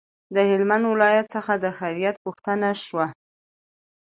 د هلمند ولایت څخه د خیریت پوښتنه شوه.